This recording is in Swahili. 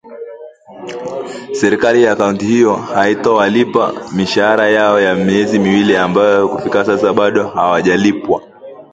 serikali ya kaunti hiyo haitowalipa mishahara yao ya miezi miwili ambayo kufikia sasa bado hawajalipwa